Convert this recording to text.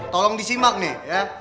tolong disimak nih ya